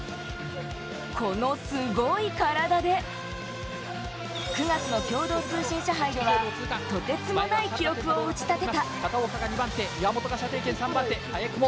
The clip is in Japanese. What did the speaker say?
このすごい体で、９月の共同通信社杯ではとてつもない記録を打ち立てた。